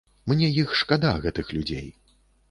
Мне іх шкада, гэтых людзей.